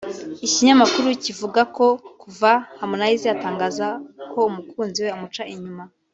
Iki kinyamakuru cyivuga ko kuva Harmonize yatangaza ko umukunzi we amuca inyuma